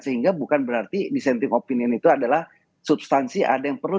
sehingga bukan berarti dissenting opinion itu adalah substansi ada yang perlu